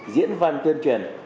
diễn văn tuyên truyền